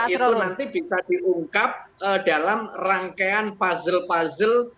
itu nanti bisa diungkap dalam rangkaian puzzle puzzle